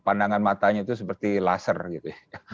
pandangan matanya itu seperti laser gitu ya